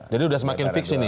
jadi sudah semakin fix ini ya